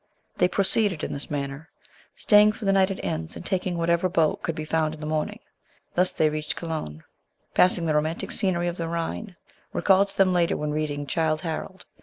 They proceeded in this manner, staying for the night at inns, and taking whatever boat could be found in MARY AND SHELLEY. 73 the morning. Thus they reached Cologne, passing the romantic scenery of the Rhine, recalled to them later when reading Childe Harold.